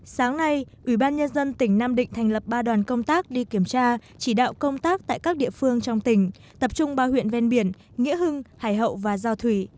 sáng nay ủy ban nhân dân tỉnh nam định thành lập ba đoàn công tác đi kiểm tra chỉ đạo công tác tại các địa phương trong tỉnh tập trung ba huyện ven biển nghĩa hưng hải hậu và giao thủy